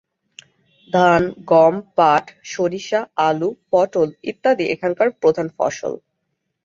ধান, গম, পাট, সরিষা, আলু, পটল ইত্যাদি এখানকার প্রধান ফসল।